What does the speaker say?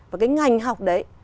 và cái ngành học đấy